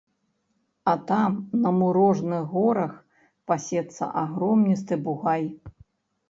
А там на мурожных горах пасецца агромністы бугай.